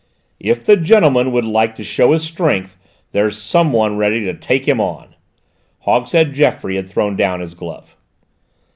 "If the gentleman would like to show his strength there's someone ready to take him on." Hogshead Geoffroy had thrown down his glove!